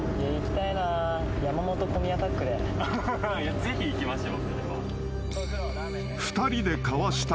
ぜひ行きましょう。